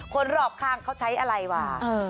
คนรอบข้างเขาใช้อะไรว่ะ